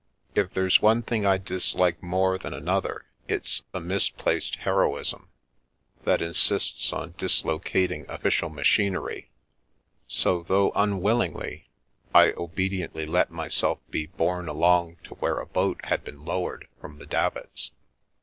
If there's one thing I dislike more than another it's a misplaced heroism that insists on dislocating official machinery, so, though unwillingly, I obediently let my self be borne along to where a boat had been lowered from the davits.